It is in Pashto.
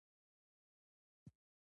د سیریز تر ټولو لویه اسټرويډ ده.